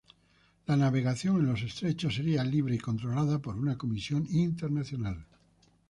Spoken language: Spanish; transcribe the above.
La navegación en los estrechos sería libre y controlada por una comisión internacional.